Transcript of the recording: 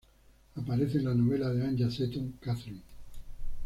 Aparece en la novela de Anya Seton, "Katherine".